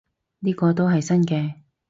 呢個都係新嘅